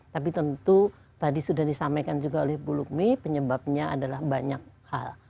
tapi tentu tadi sudah disampaikan juga oleh bu lukmi penyebabnya adalah banyak hal